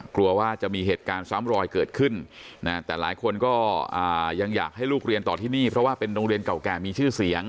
กลัวว่าจะมีเหตุการณ์ซ้ำรอยเกิดขึ้นแต่หลายคนก็ยังอยากให้ลูกเรียนต่อที่นี่เพราะว่าเป็นโรงเรียนเก่าแก่มีชื่อเสียง